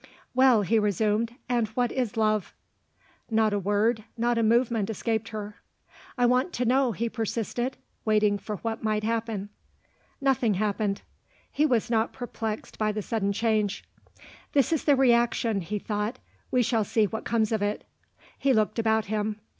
"Well," he resumed "and what is love?" Not a word, not a movement escaped her. "I want to know," he persisted, waiting for what might happen. Nothing happened. He was not perplexed by the sudden change. "This is the reaction," he thought. "We shall see what comes of it." He looked about him.